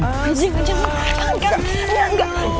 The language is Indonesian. jangan jangan lu perhatikan